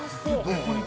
◆ここに。